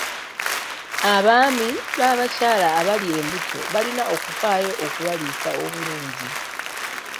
Abaami b'abakyala abali embuto balina okufaayo okubaliisa obulungi.